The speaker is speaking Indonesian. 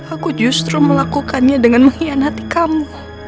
aku justru melakukannya dengan mengkhianati kamu